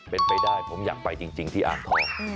เป็นไปได้อยากไปจริงที่อ๊าวพอร์